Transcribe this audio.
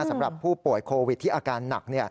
สำหรับผู้ป่วยโควิดที่อาการหนัก